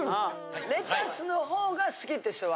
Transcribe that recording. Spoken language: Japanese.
レタスの方が好きって人は？